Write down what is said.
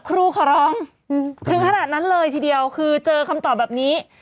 ครูขอร้องถึงขนาดนั้นเลยทีเดียวคือเจอคำตอบแบบนี้